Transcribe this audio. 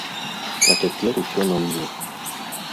А цяпер усё на мне.